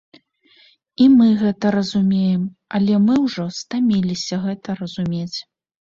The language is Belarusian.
І мы гэта разумеем, але мы ўжо стаміліся гэта разумець.